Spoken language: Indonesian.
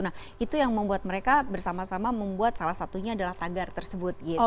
nah itu yang membuat mereka bersama sama membuat salah satunya adalah tagar tersebut gitu